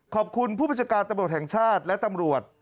ขอบคุณผู้บัจจักรตำรวจแห่งชาติและตำรวจ